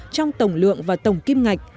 trong tổng lượng và tổng kim ngạch